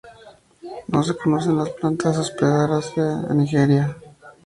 No se conocen las plantas hospederas de "A. nigeriana".